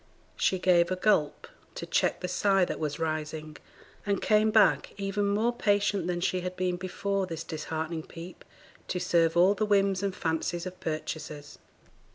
She gave a gulp to check the sigh that was rising, and came back, even more patient than she had been before this disheartening peep, to serve all the whims and fancies of purchasers.